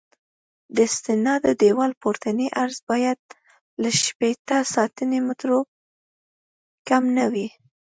د استنادي دیوال پورتنی عرض باید له شپېته سانتي مترو کم نه وي